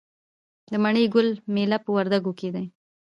د مڼې ګل میله په وردګو کې کیږي.